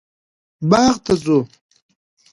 باغ ته ځو